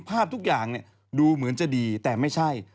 ภาพทุกอย่างดูเหมือนจะดีแต่ไม่ใช่